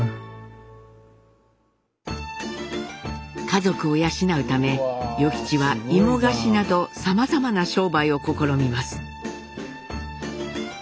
家族を養うため与吉は芋菓子などさまざまな商売を試みます。